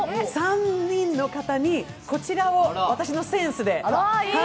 ３人の方にこちらを私のセンスで。